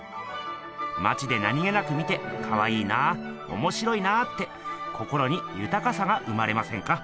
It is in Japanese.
まちで何気なく見てかわいいなおもしろいなって心にゆたかさが生まれませんか？